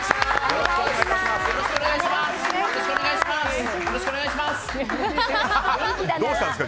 よろしくお願いします！